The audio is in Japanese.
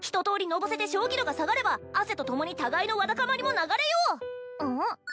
のぼせて正気度が下がれば汗とともに互いのわだかまりも流れよううん？